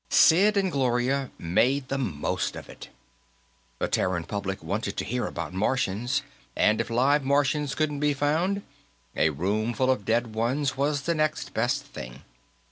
Sid and Gloria made the most of it. The Terran public wanted to hear about Martians, and if live Martians couldn't be found, a room full of dead ones was the next best thing.